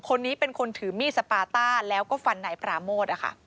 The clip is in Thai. คนนี้เป็นคนถือมีดสปาต้าแล้วก็ฟันนายปราโมท